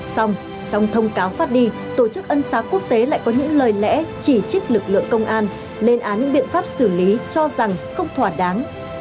xong trong thông cáo phát đi tổ chức ân xá quốc tế lại có những lời lẽ chỉ trích lực lượng công an lên án biện pháp xử lý cho rằng không thỏa đáng